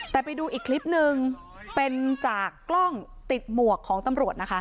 แต่ไปดูอีกคลิปนึงเป็นจากกล้องติดหมวกของตำรวจนะคะ